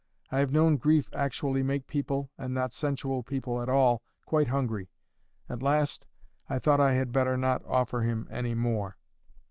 I have known grief actually make people, and not sensual people at all, quite hungry. At last I thought I had better not offer him any more.